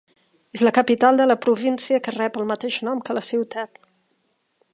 És la capital de la província que rep el mateix nom que la ciutat.